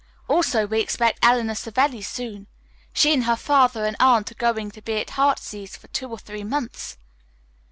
Also we expect Eleanor Savelli soon. She and her father and aunt are going to be at 'Heartease' for two or three months.